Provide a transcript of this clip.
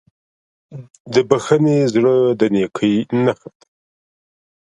د بښنې زړه د نیکۍ نښه ده.